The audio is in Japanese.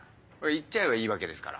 言っちゃえばいいわけですから。